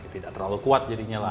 tidak terlalu kuat jadinya lah